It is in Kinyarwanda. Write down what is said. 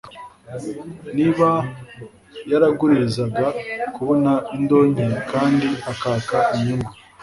Niba yaraguririzaga kubona indonke kandi akaka inyungu